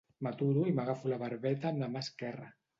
M'aturo i m'agafo la barbeta amb la mà esquerra.